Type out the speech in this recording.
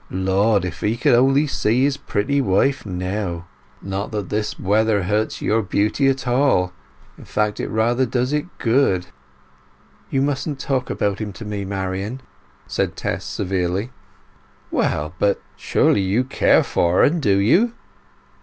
Lord, if he could only see his pretty wife now! Not that this weather hurts your beauty at all—in fact, it rather does it good." "You mustn't talk about him to me, Marian," said Tess severely. "Well, but—surely you care for 'n! Do you?"